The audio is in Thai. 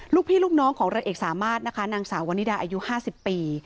ลูกพี่ลูกน้องของเรือเอกสามารถนะคะนางสาววันนิดาอายุ๕๐ปี